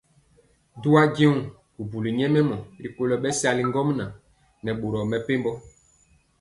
Du ajeŋg bubuli nyɛmemɔ rikolo bɛsali ŋgomnaŋ nɛ boro mepempɔ.